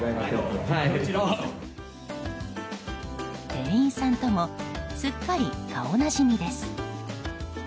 店員さんともすっかり顔なじみです。